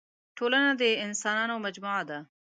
ټولنه د اسانانو مجموعه ده.